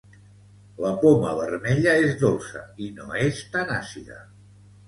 La poma vermella és dolça i no és tan àcida